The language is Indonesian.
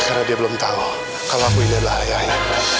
karena dia belum tahu kalau aku ini adalah rekayanya